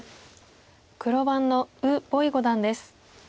黒番の呉柏毅五段です。